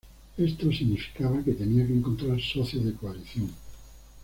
Esto significaba que tenía que encontrar socios de coalición.